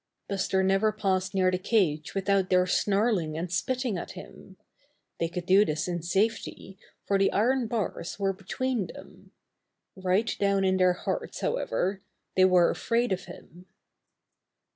Buster never passed near the cage without their snarling and spitting at him. They could do this in safety, for the iron bars were between them. Right down in their hearts, however, they were afraid of him.